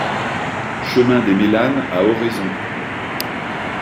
Chemin des Mélanes à Oraison